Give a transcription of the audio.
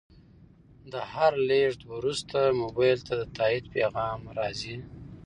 د هر لیږد وروسته موبایل ته د تایید پیغام راځي.